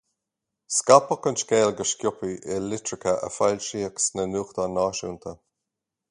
Scaipeadh an scéal go sciobtha i litreacha a foilsíodh sna nuachtáin náisiúnta.